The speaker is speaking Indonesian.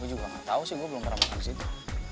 gue juga gak tau sih gue belum pernah makan ke situ